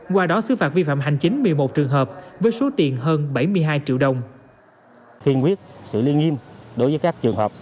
qua đó xứ phạt vi phạm hành chính một mươi một trường hợp